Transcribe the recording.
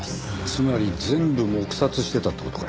つまり全部黙殺してたって事か。